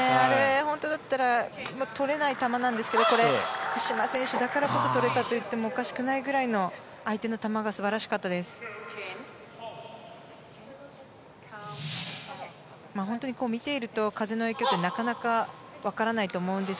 普通だったらとれない球なんですけど福島選手だからこそとれたといってもおかしくないくらい相手の球が素晴らしかったです。